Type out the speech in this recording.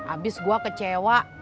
abis gua kecewa